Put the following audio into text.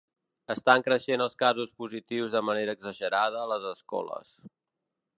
Estan creixent els casos positius de manera exagerada a les escoles.